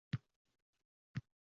O’sha basir